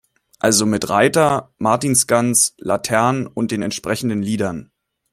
Also mit Reiter, Martinsgans, Laternen und den entsprechenden Liedern.